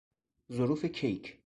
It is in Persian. ظروف کیک